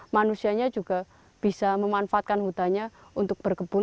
manusianya juga bisa memanfaatkan hutannya untuk berkebun